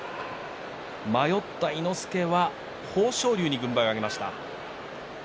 迷ったら伊之助は豊昇龍に軍配を挙げました。